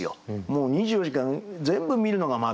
もう２４時間全部見るのが窓。